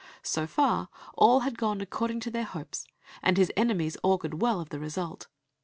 So far all had gone according to their hopes, and his enemies augured well of the result.